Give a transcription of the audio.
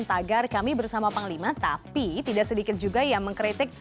tagar kami bersama panglima tapi tidak sedikit juga yang mengkritik